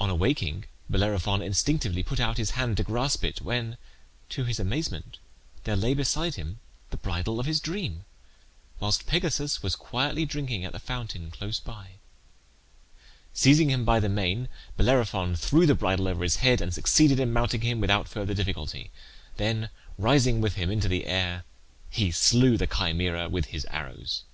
On awaking Bellerophon instinctively put out his hand to grasp it, when, to his amazement, there lay beside him the bridle of his dream, whilst Pegasus was quietly drinking at the fountain close by. Seizing him by the mane Bellerophon threw the bridle over his head, and succeeded in mounting him without further difficulty; then rising with him into the air he slew the Chimaera with his arrows.